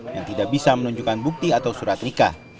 yang tidak bisa menunjukkan bukti atau surat nikah